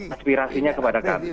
aspirasinya kepada kami